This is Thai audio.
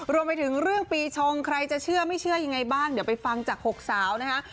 รวมไปถึงเรื่องปีชงใครจะเชื่อไม่เชื่อยังไงบ้างเดี๋ยวไปฟังจาก๖สาวนะคะ